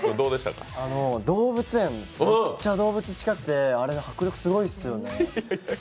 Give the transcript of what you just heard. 動物園、めっちゃ動物、近くて迫力すごいっすよね、めっちゃ。